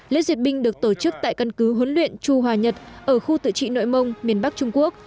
lễ duyệt binh được tổ chức tại căn cứ huấn luyện chu hòa nhật ở khu tự trị nội mông miền bắc trung quốc